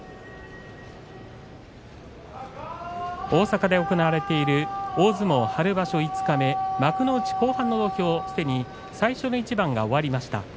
大阪で行われている大相撲春場所五日目幕内後半の土俵すでに最初の一番が終わりました。